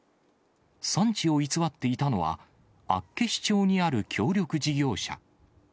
産地を偽っていたのは、厚岸町にある協力事業者。